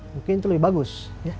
mungkin itu lebih bagus